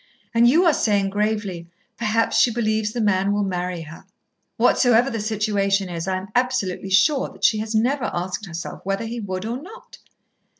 And you are saying gravely, 'Perhaps she believes the man will marry her.' Whatsoever the situation is, I am absolutely sure that she has never asked herself whether he would or not."